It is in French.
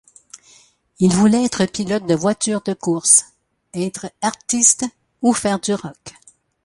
Il voulait être pilote de voitures de course, être artiste ou faire du rock.